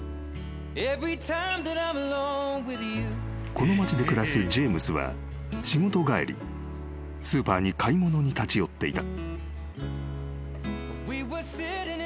［この町で暮らすジェームスは仕事帰りスーパーに買い物に立ち寄っていた］